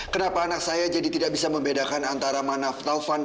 kenapa anak saya jadi tidak bisa membedakan antara mana taufan dan mana fadil